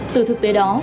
từ thực tế đó